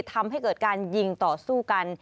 ทำให้เกิดการยิงต่อสู้กัน